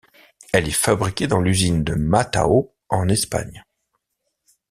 Elle est fabriquée dans l'usine de Matao, en Espagne.